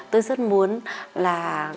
tôi rất muốn là